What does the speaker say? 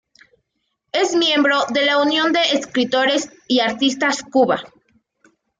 Es miembro de la Unión de Escritores y Artistas Cuba.